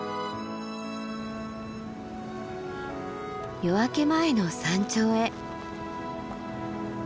夜明け前の山頂へ。